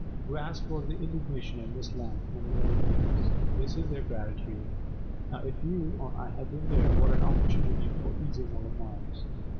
Vast was the indignation of Miss Lant and the other ladies. 'This is their gratitude!' Now if you or I had been there, what an opportunity for easing our minds!